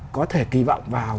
có thể kỳ vọng vào